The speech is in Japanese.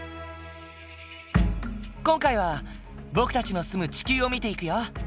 今回は僕たちの住む地球を見ていくよ。